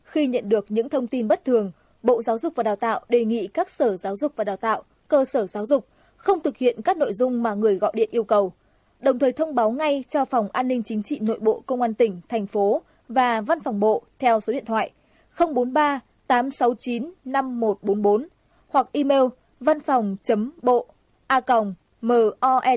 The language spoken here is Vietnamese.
khi nhận được những thông tin bất thường bộ giáo dục và đào tạo đề nghị các sở giáo dục và đào tạo cơ sở giáo dục không thực hiện các nội dung mà người gọi điện yêu cầu đồng thời thông báo ngay cho phòng an ninh chính trị nội bộ công an tỉnh thành phố và văn phòng bộ theo số điện thoại bốn mươi ba tám trăm sáu mươi chín năm nghìn một trăm bốn mươi bốn hoặc email vănphòng bộ a moe